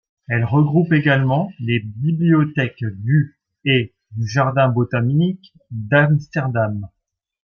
Elle regroupe également les bibliothèques du et du jardin botanique d'Amsterdam.